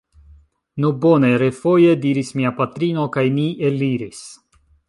Nu, bone! refoje diris mia patrino kaj ni eliris.